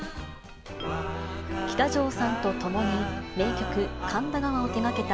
喜多條さんと共に名曲、神田川を手がけた